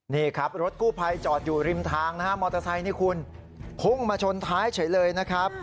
นี่ครับรถกู้ภัยจอดอยู่ริมทางนะฮะมอเตอร์ไซค์นี่คุณพุ่งมาชนท้ายเฉยเลยนะครับ